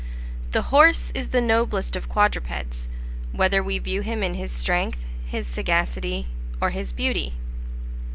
THE HORSE is the noblest of quadrupeds, whether we view him in his strength, his sagacity, or his beauty.